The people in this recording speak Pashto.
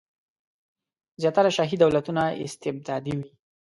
زیاتره شاهي دولتونه استبدادي وي.